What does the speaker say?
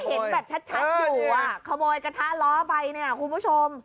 เห็นแบบชัดอยู่อ่ะขโมยกระทะล้อไปเนี่ยคุณผู้ชม